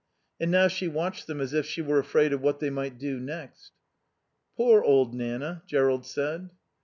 And now she watched them as if she were afraid of what they might do next. "Poor old Nanna," Jerrold said.